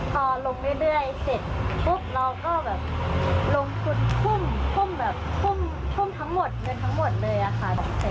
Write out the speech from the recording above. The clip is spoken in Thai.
พอลงเรื่อยเสร็จปุ๊บเราก็แบบลงทุนทุ่มทุ่มแบบทุ่มทั้งหมดเงินทั้งหมดเลยค่ะ